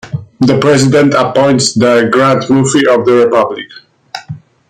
The President appoints the Grand Mufti of the Republic.